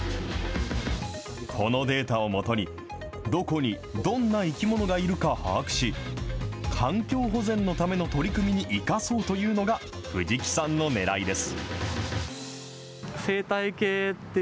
このデータを基に、どこにどんな生き物がいるか把握し、環境保全のための取り組みに生かそうというのが、藤木さんのねらいです。